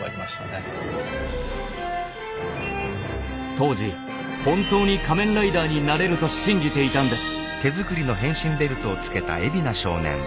当時本当に仮面ライダーになれると信じていたんです。